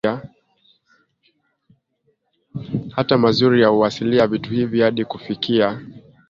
hata mazuri ya uasilia Vitu hivi hadi kufikia